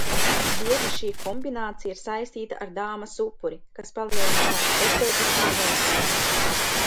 Bieži šī kombinācija ir saistīta ar dāmas upuri, kas palielina tās estētisko vērtību.